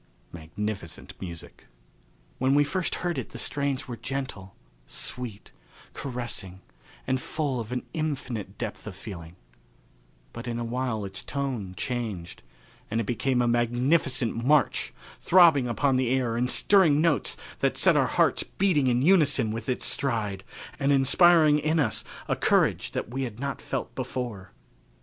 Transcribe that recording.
Magnificent Music. When we first heard it the strains were gentle, sweet, caressing and full of an infinite depth of feeling, but in a little while its tone changed, and it became a magnificent march, throbbing upon the air in stirring notes that set our hearts beating in unison with its stride and inspiring in us a courage that we had not felt before.